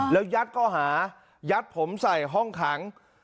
แล้วยัดข้อหายัดผมใส่ห้องขัง